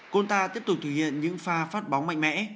conta tiếp tục thể hiện những pha phát bóng mạnh mẽ